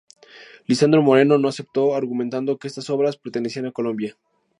Lisandro Moreno no aceptó, argumentando que estas obras pertenecían a Colombia.